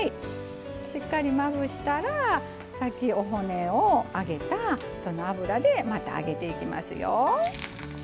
しっかりまぶしたらさっきお骨を揚げたその油でまた揚げていきますよ。